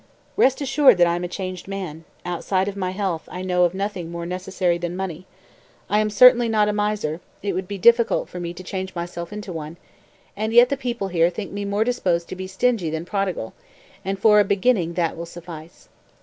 209. "Rest assured that I am a changed man; outside of my health I know of nothing more necessary than money. I am certainly not a miser, it would be difficult for me to change myself into one and yet the people here think me more disposed to be stingy than prodigal; and for a beginning that will suffice.